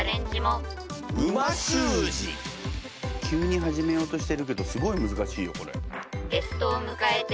急に始めようとしてるけどすごい難しいよ、これ。